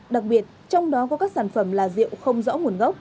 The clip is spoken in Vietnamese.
đặc biệt trong đó có các sản phẩm là rượu không rõ nguồn gốc